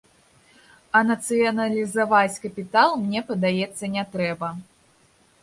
А нацыяналізаваць капітал, мне падаецца, не трэба.